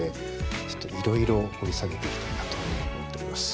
ちょっといろいろ掘り下げていきたいなと思っております。